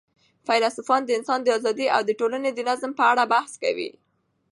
فیلسوفان د انسان د آزادۍ او د ټولني د نظم په اړه بحث کوي.